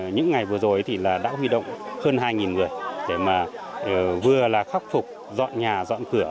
những ngày vừa rồi thì đã huy động hơn hai người để vừa khắc phục dọn nhà dọn cửa